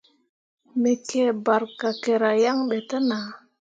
Me kǝǝ barkakkera yan ɓe te nah.